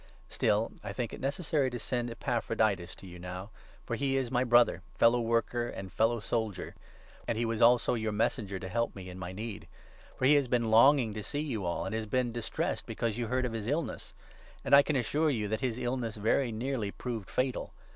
Still I think 25 it necessary to send Epaphroditus to you now, Epapnroditus. for ^e jg mv Brother, fellow worker, and fellow soldier, and he was also your messenger to help me in my need. For he has been longing to see you all, and has been 26 distressed because you heard of his illness. And I can assure 27 you that his illness very nearly proved fatal.